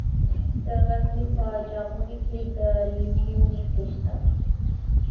د غزني په جاغوري کې د لیتیم نښې شته.